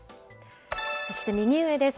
そして右上です。